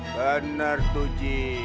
bener tuh ji